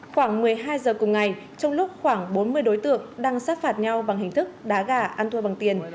khoảng một mươi hai giờ cùng ngày trong lúc khoảng bốn mươi đối tượng đang sát phạt nhau bằng hình thức đá gà ăn thua bằng tiền